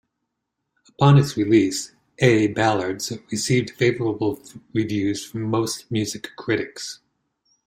Upon its release, "A Ballads" received favorable reviews from most music critics.